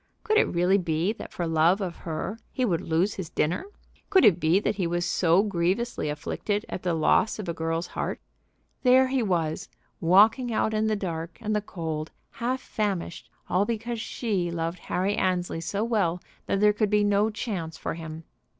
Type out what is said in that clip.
Could it really be that for love of her he would lose his dinner? Could it be that he was so grievously afflicted at the loss of a girl's heart? There he was, walking out in the dark and the cold, half famished, all because she loved Harry Annesley so well that there could be no chance for him!